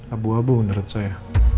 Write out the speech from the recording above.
abu abu menurut saya